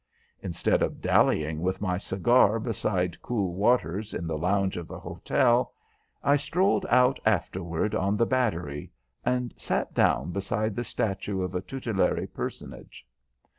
Instead of dallying with my cigar beside cool waters in the lounge of the hotel, I strolled out afterward on the Battery, and sat down beside the statue of a tutelary personage.